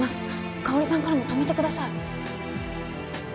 カオリさんからも止めてください